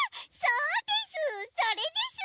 それです！